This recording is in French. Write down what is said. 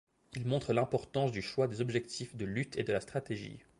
Il montre l'importance du choix des objectifs de lutte et de la stratégie.